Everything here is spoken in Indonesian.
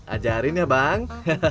ajarin ya bang